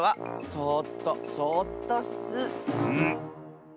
そっとそっと。